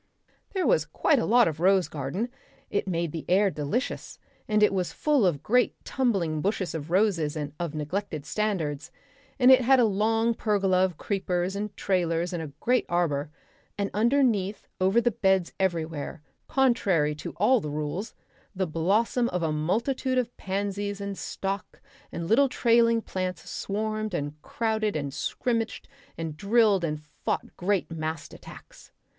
There was quite a lot of rose garden, it made the air delicious, and it was full of great tumbling bushes of roses and of neglected standards, and it had a long pergola of creepers and trailers and a great arbour, and underneath over the beds everywhere, contrary to all the rules, the blossom of a multitude of pansies and stock and little trailing plants swarmed and crowded and scrimmaged and drilled and fought great massed attacks.